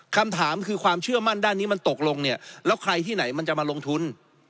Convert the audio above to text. คำถามคือความเชื่อมั่นด้านนี้มันตกลงเนี่ยแล้วใครที่ไหนมันจะมาลงทุน